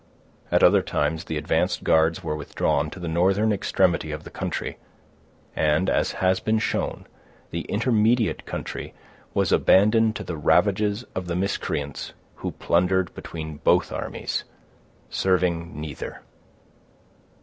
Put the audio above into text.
At other times, the advanced guards were withdrawn to the northern extremity of the country, and, as has been shown, the intermediate country was abandoned to the ravages of the miscreants who plundered between both armies, serving neither.